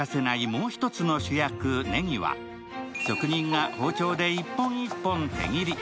もう一つの主役・ねぎは職人が包丁で１本１本手切り。